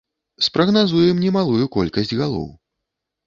Спрагназуем немалую колькасць галоў.